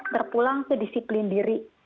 terpulang ke disiplin diri